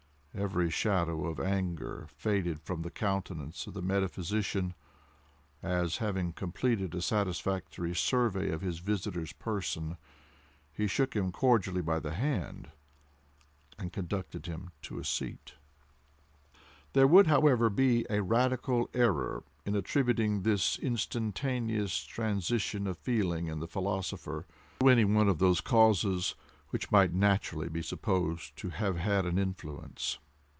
Every shadow of anger faded from the countenance of the metaphysician, as, having completed a satisfactory survey of his visitor's person, he shook him cordially by the hand, and conducted him to a seat. There would however be a radical error in attributing this instantaneous transition of feeling in the philosopher, to any one of those causes which might naturally be supposed to have had an influence.